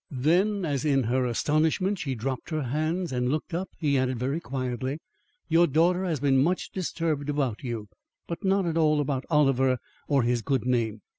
Then, as in her astonishment she dropped her hands and looked up, he added very quietly, "Your daughter has been much disturbed about you, but not at all about Oliver or his good name.